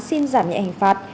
xin giảm nhận hình phạt